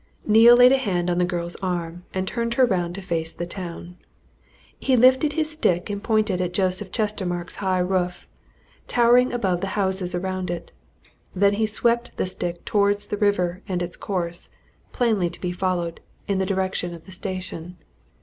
Neale laid a hand on the girl's arm and turned her round to face the town. He lifted his stick and pointed at Joseph Chestermarke's high roof, towering above the houses around it; then he swept the stick towards the river and its course, plainly to be followed, in the direction of the station.